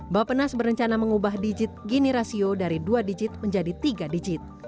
bapenas berencana mengubah digit gini rasio dari dua digit menjadi tiga digit